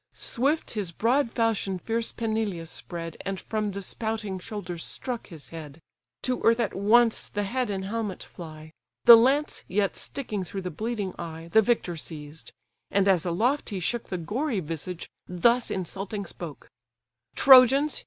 Swift his broad falchion fierce Peneleus spread, And from the spouting shoulders struck his head; To earth at once the head and helmet fly; The lance, yet sticking through the bleeding eye, The victor seized; and, as aloft he shook The gory visage, thus insulting spoke: "Trojans!